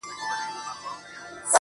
او د بت سترگي يې ښې ور اب پاشي کړې_